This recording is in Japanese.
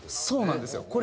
そうなんですよ。